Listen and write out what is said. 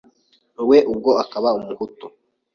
we ubwo akaba Umuhutu